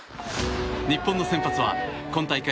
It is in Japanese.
日本の先発は、今大会